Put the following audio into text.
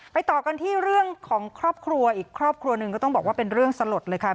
ต่อกันที่เรื่องของครอบครัวอีกครอบครัวหนึ่งก็ต้องบอกว่าเป็นเรื่องสลดเลยค่ะ